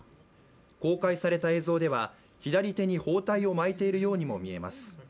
公開された映像では左手に包帯を巻いているようにも見えます。